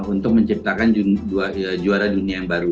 untuk menciptakan juara dunia yang baru